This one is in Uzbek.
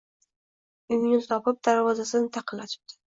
Uyini topib, darvozani taqillatibdi